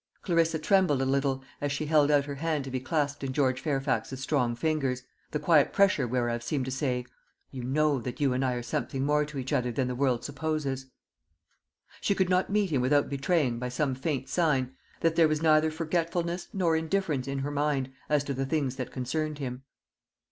Clarissa trembled a little as she held out her hand to be clasped in George Fairfax's strong fingers, the quiet pressure whereof seemed to say, "You know that you and I are something more to each other than the world supposes." She could not meet him without betraying, by some faint sign, that there was neither forgetfulness nor indifference in her mind as to the things that concerned him.